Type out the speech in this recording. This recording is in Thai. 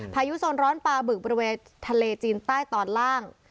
พายุโซนร้อนปลาบึกบริเวณทะเลจีนใต้ตอนล่าง